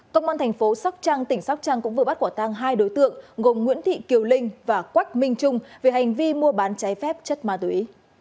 công an thành phố sóc trăng tỉnh sóc trăng cũng vừa bắt quả tăng hai đối tượng gồm nguyễn thị kiều linh và quách minh trung về hành vi mua bán trái phép chất ma túy